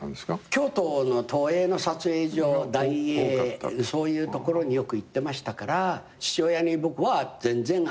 京都の東映の撮影所大映そういうところによく行ってましたから父親に僕は全然。